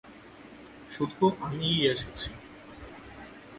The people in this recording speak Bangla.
শুধু আমিই এসেছি!